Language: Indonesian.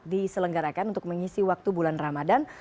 diselenggarakan untuk mengisi waktu bulan ramadan